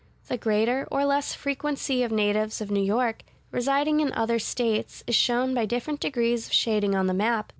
The greater or less frequency of natives of New York, residing in other States, is shown by different degrees of shading on the map.